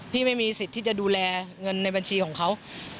ไม่มีสิทธิ์ที่จะดูแลเงินในบัญชีของเขา